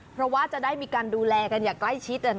เพราะว่าจะได้มีการดูแลกันอย่างใกล้ชิด